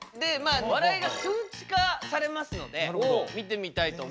笑いが数値化されますので見てみたいと思います。